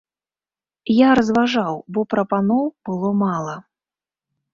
Я разважаў, бо прапаноў было мала.